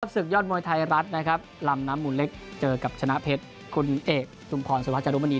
สำหรับศึกยอดมวยไทยรัฐลำน้ำหมุนเล็กเจอกับชนะเพชรคุณเอกทุ่มพรสุภาษารุมณี